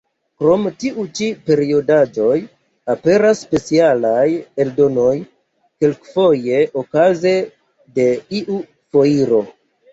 Krom tiu ĉi periodaĵoj, aperas specialaj eldonoj, kelkfoje okaze de iu foiro.